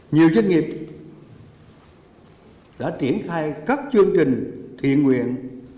nhiều doanh nghiệp đã triển khai các chương trình thiện nguyện